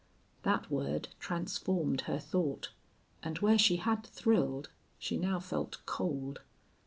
That word transformed her thought, and where she had thrilled she now felt cold.